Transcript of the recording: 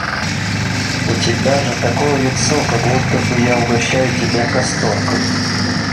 – У тебя же такое лицо, как будто бы я угощаю тебя касторкой.